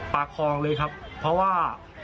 ปากคลองเลยครับเพราะว่า